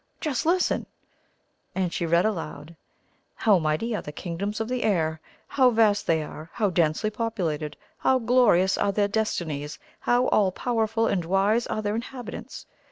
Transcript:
Just listen!" and she read aloud: "'How mighty are the Kingdoms of the Air! How vast they are how densely populated how glorious are their destinies how all powerful and wise are their inhabitants!